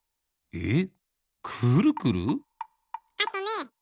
えっ？